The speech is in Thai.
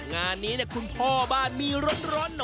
งานนี้คุณพ่อบ้านมีร้อนหน่อย